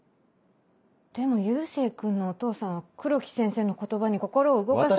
でも佑星君のお父さんは黒木先生の言葉に心を動かさ。